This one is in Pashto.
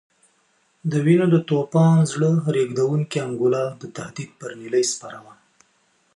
د وینو د توپان زړه رېږدونکې انګولا د تهدید پر نیلۍ سپره وه.